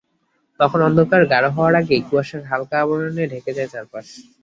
তখন অন্ধকার গাঢ় হওয়ার আগেই কুয়াশার হালকা আবরণে ঢেকে যায় চারপাশ।